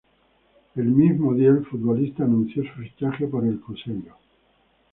El mismo día el futbolista anunció su fichaje por el Cruzeiro.